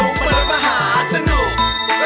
มันรถมหาสนุก